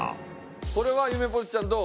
これはゆめぽてちゃんどう？